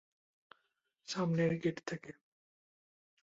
সামনের গেট থেকে।